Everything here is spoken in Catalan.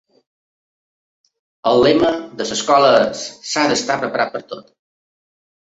El lema de l'escola és "s'ha d'estar preparat per a tot".